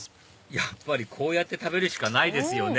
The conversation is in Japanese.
やっぱりこうやって食べるしかないですよね